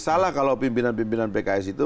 salah kalau pimpinan pimpinan pks itu